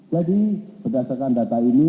jadi berdasarkan data ini